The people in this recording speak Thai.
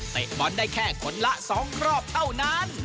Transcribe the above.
เตะบอลได้แค่คนละ๒รอบเท่านั้น